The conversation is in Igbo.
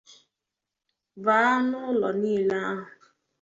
bàá n'ụlọ niile ahụ.